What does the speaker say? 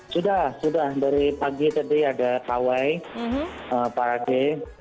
sudah sudah dari pagi tadi ada kawai pak rage